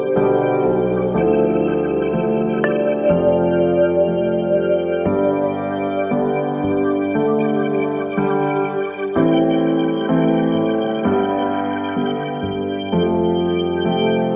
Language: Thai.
โปรดติดตามตอนต่อไป